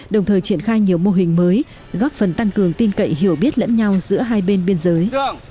đồng thời triển khai nhiều mô hình mới góp phần tăng cường tin cậy hiểu biết lẫn nhau giữa hai bên biên giới